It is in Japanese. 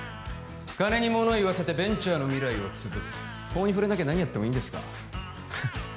金に物を言わせてベンチャーの未来をつぶす法に触れなきゃ何やってもいいんですか？